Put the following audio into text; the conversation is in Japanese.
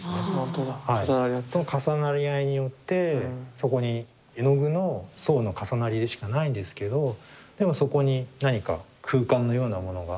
その重なり合いによってそこに絵の具の層の重なりでしかないんですけどでもそこに何か空間のようなものが我々の目には見えてくる。